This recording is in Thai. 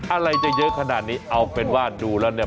อะไรจะเยอะขนาดนี้เอาเป็นว่าดูแล้วเนี่ย